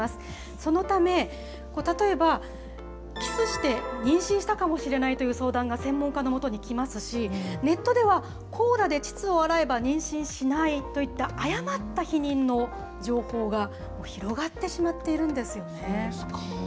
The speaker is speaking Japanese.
そのため、例えば、キスして妊娠したかもしれないという相談が専門家のもとに来ますし、ネットでは、コーラでちつを洗えば妊娠しないといった、誤った避妊の情報が広がってしまっているんですよね。